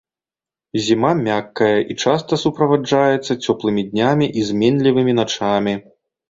Зіма мяккая, і часта суправаджаецца цёплымі днямі і зменлівымі начамі.